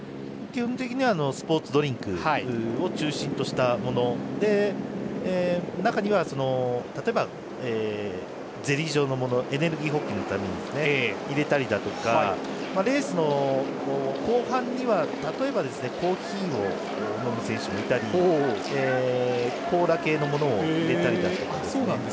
基本的にはスポーツドリンクを中心としたもので中には、例えばゼリー状のものエネルギー補給のために入れたりだとかレースの後半には例えばコーヒーを飲む選手もいたりコーラ系のものを入れたりだとか。